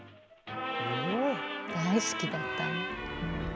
大好きだった。